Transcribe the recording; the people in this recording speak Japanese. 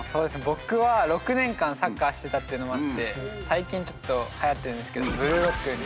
僕は６年間サッカーしてたっていうのもあって最近ちょっとはやってるんですけど「ブルーロック」に。